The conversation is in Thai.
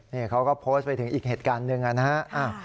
นี่เขาก็โพสต์ไปถึงอีกเหตุการณ์หนึ่งนะฮะ